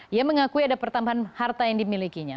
ia mengakui ada pertambahan harta yang dimilikinya